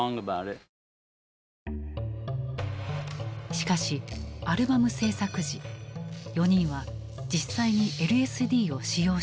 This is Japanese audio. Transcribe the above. しかしアルバム制作時４人は実際にＬＳＤを使用していた。